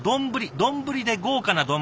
丼で豪華な丼。